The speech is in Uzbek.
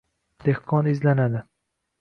dehqon izlanadi